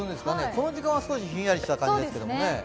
この時間は少しひんやりした感じですね。